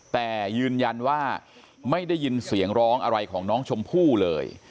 แต่ยืนยันว่าไม่ได้ยินเสียงร้องอะไรของน้องชมพู่เลย